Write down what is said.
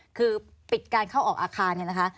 คือปิดการเข้าออกอาคารเนี่ยนะคะ